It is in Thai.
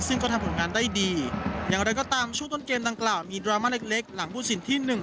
ซึ่งก็ทำผลงานได้ดีอย่างไรก็ตามช่วงต้นเกมดังกล่าวมีดราม่าเล็กเล็กหลังผู้สินที่หนึ่ง